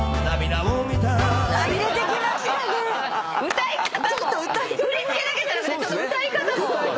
歌い方も振り付けだけじゃなくて歌い方も！